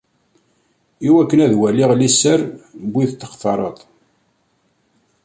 Iwakken ad waliɣ liser n wid i textareḍ.